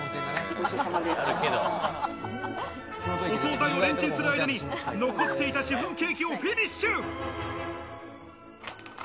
お惣菜をレンチンする間に残っていたシフォンケーキをフィニッシュ。